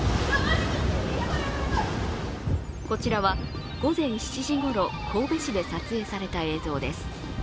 こちらは午前７時ごろ、神戸市で撮影された映像です。